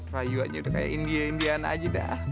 kayu aja udah kayak india indiana aja dah